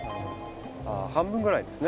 あ半分ぐらいですね。